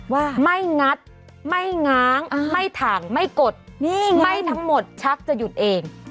ว่าไม่งัดไม่ง้างไม่ถ่างไม่กดไม่ทั้งหมดชักจะหยุดเอง